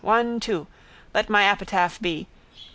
One, two. _Let my epitaph be.